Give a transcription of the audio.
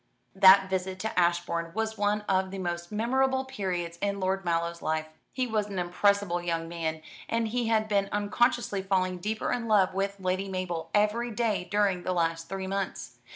That visit to Ashbourne was one of the most memorable periods in Lord Mallow's life. He was an impressible young man, and he had been unconsciously falling deeper in love with Lady Mabel every day during the last three months.